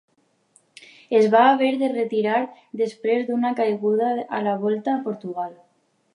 Es va haver de retirar després d'una caiguda a la Volta a Portugal.